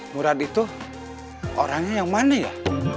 murad itu orangnya yang mani ya